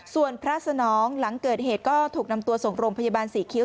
ส่วนพระสนองหลังเกิดเหตุก็ถูกนำตัวส่งโรงพยาบาลศรีคิ้ว